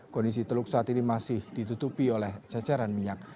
kondisi teluk saat ini masih ditutupi oleh ceceran minyak